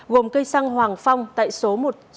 gồm cây xăng hoàng phong tại số một mươi sáu